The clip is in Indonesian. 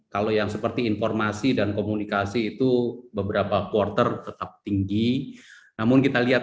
kalau yang seperti informasi dan komunikasi itu beberapa quarter tetap tinggi namun kita lihat